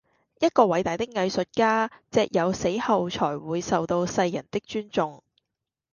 一個偉大的藝術家隻有死後才會受到世人的尊重